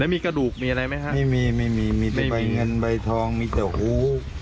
มีกระดูกมีอะไรไหมฮะไม่มีไม่มีมีแต่ใบเงินใบทองมีแต่หู